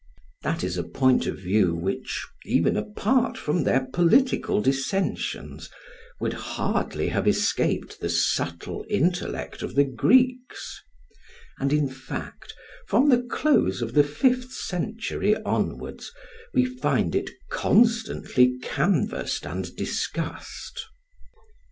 That is a point of view which, even apart from their political dissensions, would hardly have escaped the subtle intellect of the Greeks; and in fact, from the close of the fifth century onwards, we find it constantly canvassed and discussed.